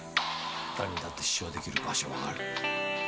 誰にだって主張できる場所はある。